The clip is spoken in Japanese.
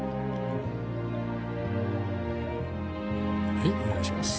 はいお願いします。